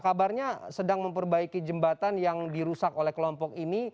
kabarnya sedang memperbaiki jembatan yang dirusak oleh kelompok ini